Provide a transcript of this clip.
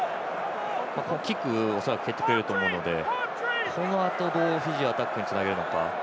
キック、恐らく蹴ってくると思うのでこのあと、どうフィジーはアタックにつなげるのか。